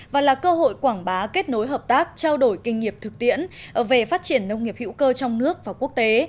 và là cơ hội quảng bá kết nối hợp tác trao đổi kinh nghiệm thực tiễn về phát triển nông nghiệp hữu cơ trong nước và quốc tế